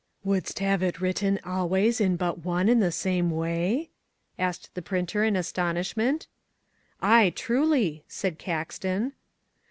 "Wouldst have it written always in but one and the same way?" asked the printer in astonishment. "Aye, truly," said Caxton.